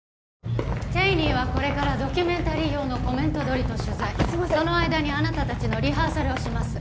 ＣＨＡＹＮＥＹはこれからドキュメンタリー用のコメント撮りと取材その間にあなたたちのリハーサルをします